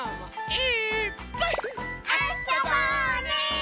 え？